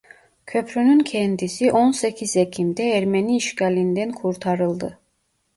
Köprünün kendisi on sekiz Ekim'de Ermeni işgalinden kurtarıldı.